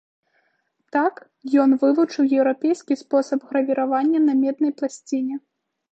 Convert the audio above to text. Так, ён вывучыў еўрапейскі спосаб гравіравання на меднай пласціне.